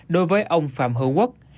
đối với ông phạm hữu quốc